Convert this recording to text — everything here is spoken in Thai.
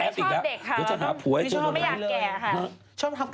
แอ๊บอีกละไม่อยากแก่ค่ะ